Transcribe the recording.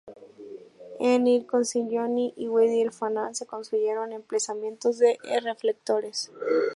En il-Kunċizzjoni y Wied il-Faħam se construyeron emplazamientos de reflectores.